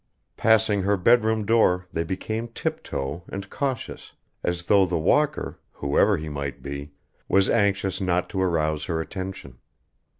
Passing her bedroom door they became tiptoe and cautious, as though the walker, whoever he might be, was anxious not to arouse her attention.